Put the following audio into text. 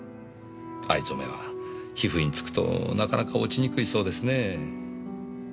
藍染めは皮膚に付くとなかなか落ちにくいそうですねぇ。